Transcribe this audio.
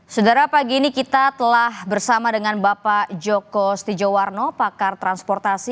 saudara pagi ini kita telah bersama dengan bapak joko stijowarno pakar transportasi